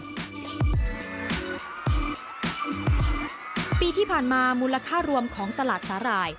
ปีที่ผ่านมามูลค่ารวมของตลาดสาหร่าย